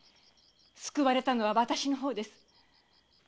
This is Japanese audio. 救われたのは私の方です。